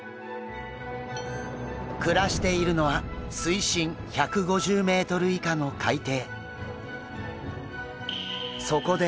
暮らしているのは水深１５０ｍ以下の海底。